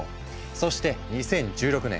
そして２０１６年。